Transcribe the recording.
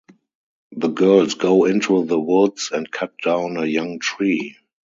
The girls go into the woods and cut down a young tree.